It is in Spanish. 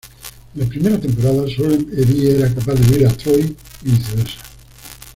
En la primera temporada solo Evie era capaz de oír a Troy y viceversa.